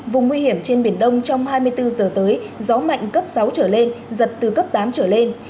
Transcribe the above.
vùng nguy hiểm trên biển đông trong hai mươi bốn giờ tới gió mạnh cấp sáu trở lên giật từ cấp tám trở lên